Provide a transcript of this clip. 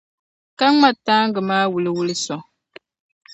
Ka ŋma taaŋa zaa wuliwuli sɔŋ.